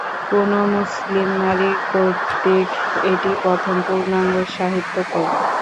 কোনো মুসলিম নারী কর্তৃক এটিই প্রথম পূর্ণাঙ্গ সাহিত্যকর্ম।